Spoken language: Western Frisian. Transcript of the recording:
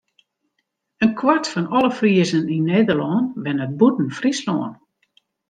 In kwart fan alle Friezen yn Nederlân wennet bûten Fryslân.